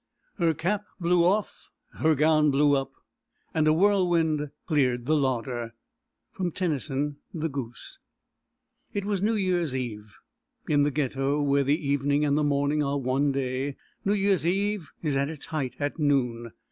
"Her cap blew off, her gown blew up, And a whirlwind cleared the larder." TENNYSON: The Goose. It was New Year's Eve. In the Ghetto, where "the evening and the morning are one day," New Year's Eve is at its height at noon.